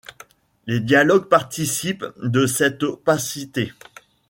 Les dialogues participent de cette opacité.